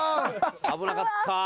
危なかった。